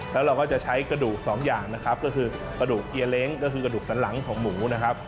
แล้วเราก็จะใช้กระดูกสองอย่างนะครับก็คือกระดูกเกียร์เล้งก็คือกระดูกสันหลังของหมูนะครับ